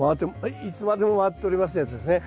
「いつまでも回っております」のやつですね。